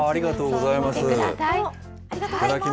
ありがとうございます。